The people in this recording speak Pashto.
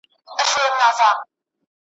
په تېر اختر کي لا هم پټ وم له سیالانو څخه `